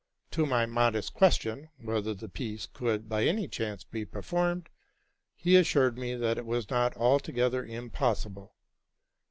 To my modest question, whether the piece could by any chance be performed, he assured me that it was not altogether impossible.